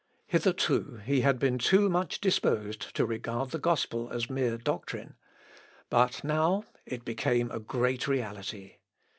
Hitherto he had been too much disposed to regard the gospel as mere doctrine; but now it became a great reality.